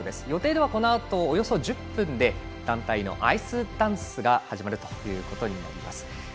予定ではこのあとおよそ１０分で団体のアイスダンスが始まるということになります。